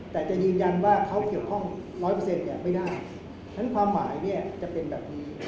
แต่จะยืนยันว่าเขาเกี่ยวข้อง๑๐๐ไม่ได้ฉะนั้นความหมายจะเป็นแบบนี้